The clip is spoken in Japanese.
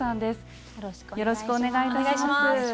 よろしくお願いします。